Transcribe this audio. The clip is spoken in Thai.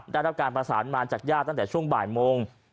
ได้รับการประสานมาจากญาติตั้งแต่ช่วงบ่ายโมง